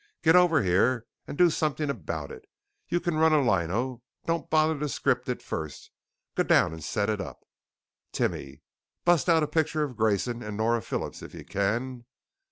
Get over here and do something about it! You can run a lino; don't bother to script it first, go down and set it up! Timmy! Bust out a picture of Grayson and Nora Phillips if you can.